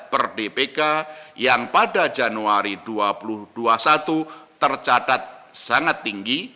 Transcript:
pertumbuhan dana pihak ketiga atau dppk yang pada januari dua ribu dua puluh satu tercatat sangat tinggi